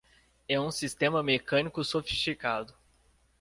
É um sistema mecânico sofisticado!